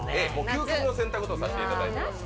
究極の選択とさせていただいてます。